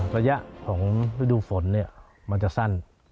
ระยะของวิดูฝนเนี่ยมันจะสั้น